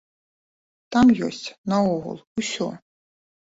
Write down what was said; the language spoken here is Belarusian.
Там ёсць наогул усё.